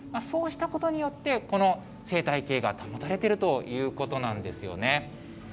そうしたことによって、この生態系が保たれているということなんですよね。